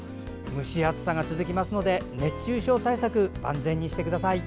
蒸し暑さが続きますので熱中症対策を万全にしてください。